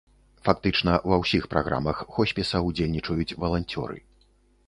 Фактычна ва ўсіх праграмах хоспіса ўдзельнічаюць валанцёры.